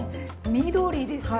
緑ですよ。